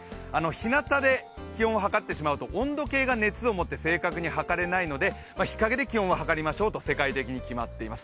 ひなたで気温を測ってしまうと温度計が熱をもって正確に測れないので、日陰で気温は測りましょうと世界的に決まっています。